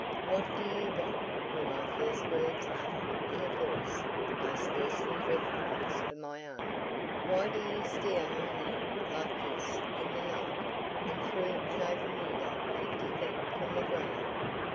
'What do you want?' were my first words uttered in a voice I scarcely recognized for my own; 'why do you steal on me like this in the night and through an open window fifty feet from the ground?